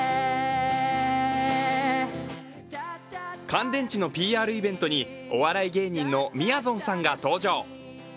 乾電池のＰＲイベントにお笑い芸人のみやぞんさんが登場。